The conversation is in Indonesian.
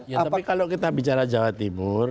ya tapi kalau kita bicara jawa timur